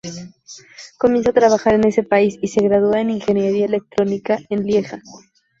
Comienza a trabajar en ese país, y se gradúa en Ingeniería Electrónica en Lieja.